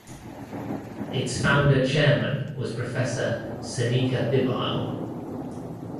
Its founder chairman was Professor Seneka Bibile.